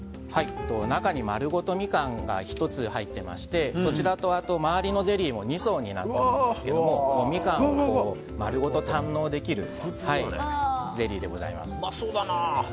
中に丸ごとミカンが１つ入っていましてそちらと周りのゼリーも２層になってるんですけどミカンを丸ごと堪能できるゼリーでございます。